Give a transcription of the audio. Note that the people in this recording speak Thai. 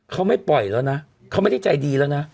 เขาไม่ปล่อยแล้วนะเขาไม่ได้ใจดีแล้วนะ